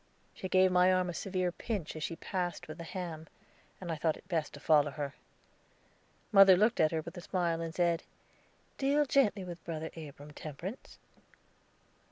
She gave my arm a severe pinch as she passed with the ham, and I thought it best to follow her. Mother looked at her with a smile, and said: "Deal gently with Brother Abram, Temperance."